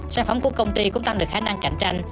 sản phẩm của công ty cũng tăng được khả năng cạnh tranh